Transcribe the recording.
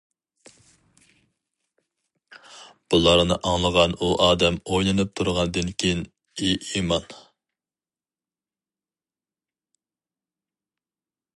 بۇلارنى ئاڭلىغان ئۇ ئادەم ئويلىنىپ تۇرغاندىن كېيىن: ئى ئىمان!